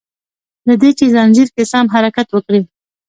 له دي چي ځنځير کی سم حرکت وکړي